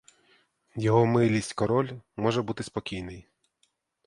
Його милість король може бути спокійний.